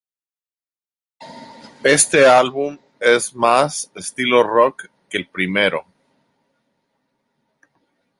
Este álbum es más estilo rock que el primero.